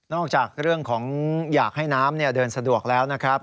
จากเรื่องของอยากให้น้ำเดินสะดวกแล้วนะครับ